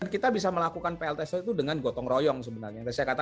kita bisa melakukan plts itu dengan gotong royong sebenarnya